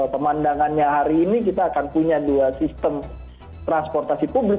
pemandangannya hari ini kita akan punya dua sistem transportasi publik